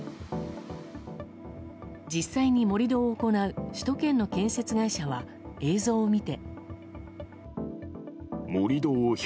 実際に盛り土を行う首都圏の建設会社は映像を見て。